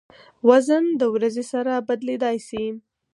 وزن د ورځې سره بدلېدای شي.